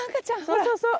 そうそうそう。